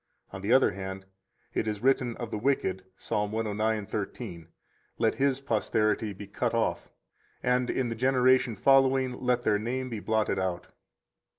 On the other hand, it is written of the wicked, Ps. 109:13: Let his posterity be cut off; and in the generation following let their name be blotted out.